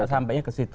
sampainya ke situ